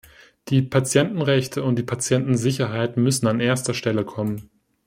Die Patientenrechte und die Patientensicherheit müssen an erster Stelle kommen.